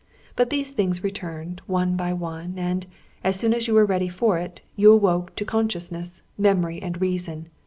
But these things returned, one by one; and, as soon as you were ready for it, you awoke to consciousness, memory, and reason.